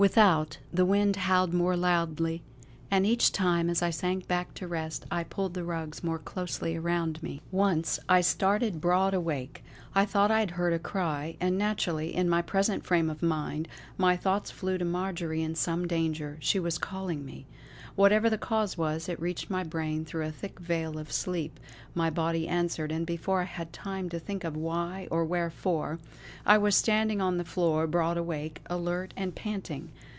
Without, the wind howled more loudly, and each time as I sank back to rest I pulled the rugs more closely around me. Once, I started broad awake. I thought I heard a cry, and naturally, in my present frame of mind, my thoughts flew to Marjory in some danger; she was calling me. Whatever the cause was, it reached my brain through a thick veil of sleep; my body answered, and before I had time to think of why or wherefore, I was standing on the floor broad awake, alert and panting.